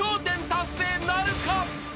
１０達成なるか？］